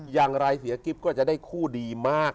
อย่างไรเสียกิ๊บก็จะได้คู่ดีมาก